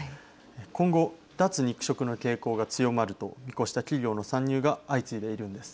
今後、脱肉食の傾向が強まると見越した企業の参入が相次いでいるんです。